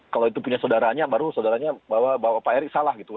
kalau itu punya saudaranya baru saudaranya bawa pak erick salah gitu